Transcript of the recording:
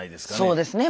そうですね。